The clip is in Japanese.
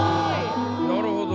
なるほど。